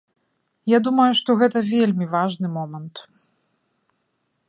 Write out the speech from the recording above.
Я думаю, што гэта вельмі важны момант.